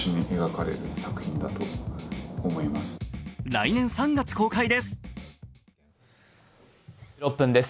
来年３月公開です。